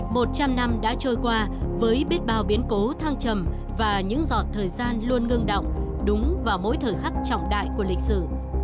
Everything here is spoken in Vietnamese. một trăm năm đã trôi qua với biết bao biến cố thăng trầm và những giọt thời gian luôn ngưng động đúng vào mỗi thời khắc trọng đại của lịch sử